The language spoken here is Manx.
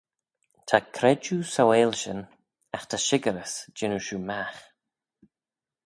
Ta credjue sauaill shin agh ta shickerys jannoo shiu magh.